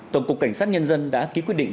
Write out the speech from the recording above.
tổng cục cảnh sát nhân dân đã ký quyết định